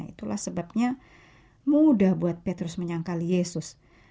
itulah sebabnya mudah buat petrus menyangkal yesus